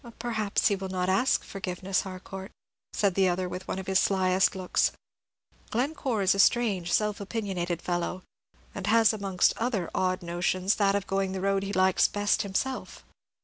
"Perhaps he will not ask forgiveness, Harcourt," said the other, with one of his slyest of looks. "Glencore is a strange, self opinionated fellow, and has amongst other odd notions that of going the road he likes best himself.